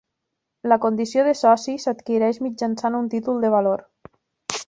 La condició de soci s'adquireix mitjançant un títol de valor.